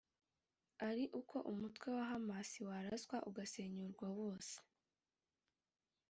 ari uko umutwe wa Hamas waraswa ugasenyurwa wose